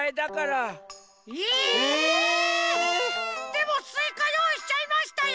でもスイカよういしちゃいましたよ！